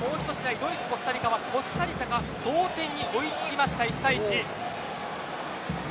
ドイツとコスタリカはコスタリカが同点に追い付きました、１対１。